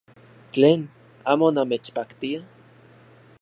¡Tlen! ¿Amo namechpaktia?